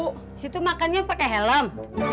disitu makannya pake helm